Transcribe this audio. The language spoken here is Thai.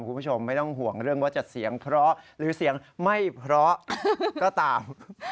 คุณผู้ชมไม่ต้องห่วงเรื่องว่าจะเสียงเพราะหรือเสียงไม่เพราะก็ตาม